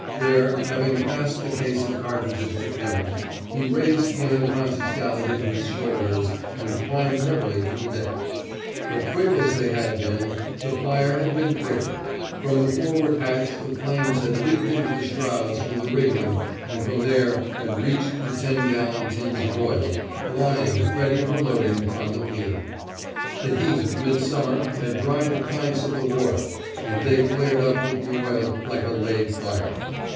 There, having passed the case of cartridges to Pim, he raised the unconscious Gallegher to his shoulders, and climbed heavily to the deck. But quick as they had been, the fire had been quicker. From the forward hatch the flames had leaped into the shrouds and the rigging, and from there had reached the ten gallon tins of oU, lying, ready for loading, on the pier. The heat of midsummer had dried the planks of the wharf ; and they flared up with the oil like a laid fire.